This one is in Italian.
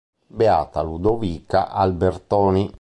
Beata Ludovica Albertoni